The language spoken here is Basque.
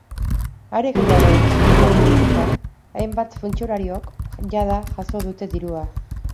Are gehiago, sindikatuen hitzetan, hainbat funtzionariok jada jaso dute dirua.